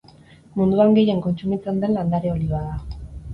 Munduan gehien kontsumitzen den landare olioa da.